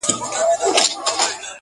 موږ پوهیږو چي پر تاسي څه تیریږي -